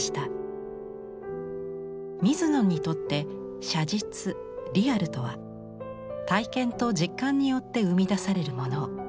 水野にとって写実リアルとは体験と実感によって生み出されるもの。